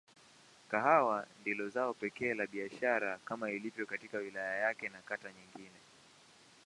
Kahawa ndilo zao pekee la biashara kama ilivyo katika wilaya yake na kata nyingine.